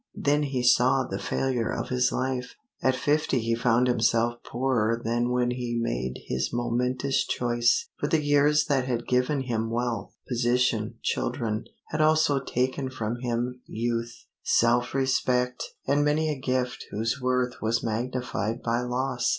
Then he saw the failure of his life. At fifty he found himself poorer than when he made his momentous choice; for the years that had given him wealth, position, children, had also taken from him youth, self respect, and many a gift whose worth was magnified by loss.